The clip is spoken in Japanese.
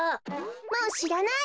もうしらない！